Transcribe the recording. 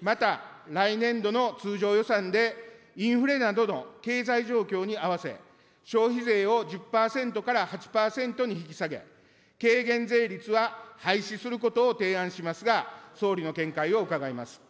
また来年度の通常予算で、インフレなどの経済状況に合わせ、消費税を１０％から８％に引き下げ、軽減税率は廃止することを提案しますが、総理の見解を伺います。